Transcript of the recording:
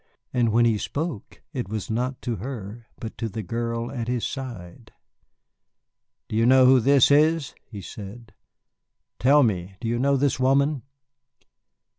And when he spoke it was not to her, but to the girl at his side. "Do you know who this is?" he said. "Tell me, do you know this woman?"